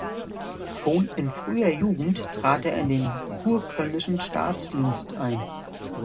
Schon in früher Jugend trat er in den kurkölnischen Staatsdienst ein.